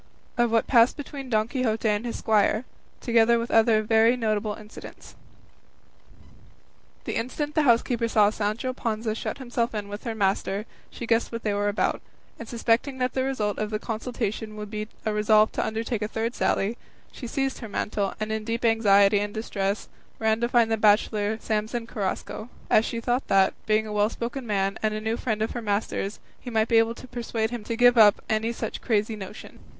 OF WHAT PASSED BETWEEN DON QUIXOTE AND HIS SQUIRE, TOGETHER WITH OTHER VERY NOTABLE INCIDENTS The instant the housekeeper saw Sancho Panza shut himself in with her master, she guessed what they were about; and suspecting that the result of the consultation would be a resolve to undertake a third sally, she seized her mantle, and in deep anxiety and distress, ran to find the bachelor Samson Carrasco, as she thought that, being a well spoken man, and a new friend of her master's, he might be able to persuade him to give up any such crazy notion.